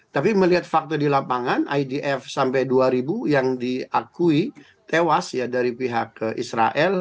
tapi melihat fakta di lapangan idf sampai dua ribu yang diakui tewas ya dari pihak israel